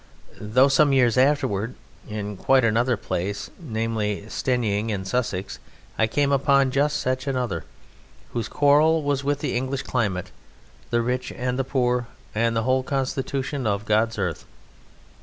Though some years after, in quite another place namely, Steyning, in Sussex I came upon just such another, whose quarrel was with the English climate, the rich and the poor, and the whole constitution of God's earth.